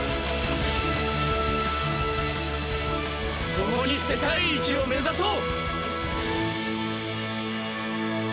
共に世界一を目指そう！